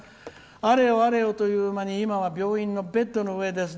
「あれよ、あれよという間に今は病院のベッドの上です。